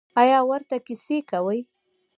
ایا ورته کیسې کوئ؟